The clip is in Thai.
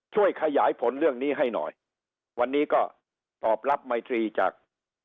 ช่วยขยายผลเรื่องนี้ให้หน่อยวันนี้ก็ตอบรับไมตรีจาก